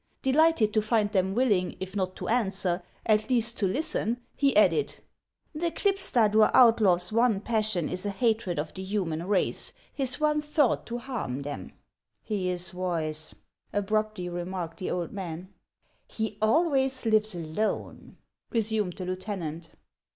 Delighted to find them willing, if not to answer, at least to listen, he added, —" The Klipstadur outlaw's one passion is a hatred of the human race, his one thought to harm them." " He is wise," abruptly remarked the old man. " He always lives alone," resumed the lieutenant.